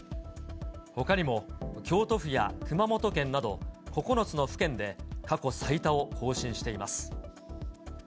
ほかにも、京都府や熊本県など、９つの府県で過去最多を更新しています。